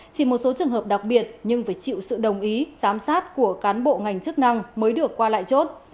chỉ một số trường hợp đặc biệt nhưng phải chịu sự đồng ý giám sát của cán bộ ngành chức năng mới được qua lại chốt